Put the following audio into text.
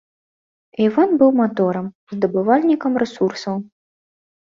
Іван быў маторам, здабывальнікам рэсурсаў.